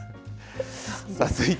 続いて。